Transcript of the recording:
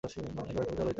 একবার খোঁজও লইতেন না!